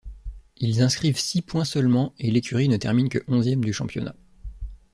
Ils inscrivent six points seulement et l'écurie ne termine que onzième du championnat.